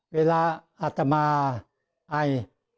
เวลาอัตมาไอ